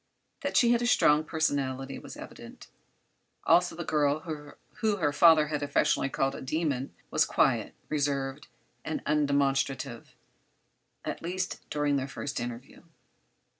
That she had a strong personality was evident; also the girl whom her father had affectionately called a "demon" was quiet, reserved and undemonstrative—at least during this first interview.